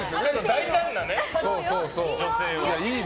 大胆な女性を。